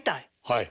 はい。